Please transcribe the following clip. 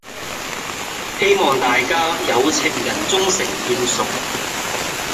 希望大家「有情人終成眷屬」